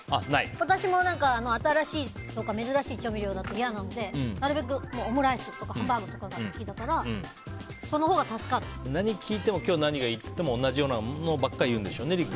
私も新しいとか珍しい調味料とかだと嫌なので、オムライスとかハンバーグとかが好きだから何聞いても今日、何がいい？って聞いても同じようなのばっかり言うんでしょうね。